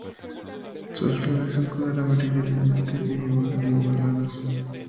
Sus flores son color amarillo brillante y liguladas.